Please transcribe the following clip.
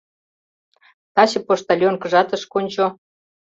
— Таче почтальонкыжат ыш кончо.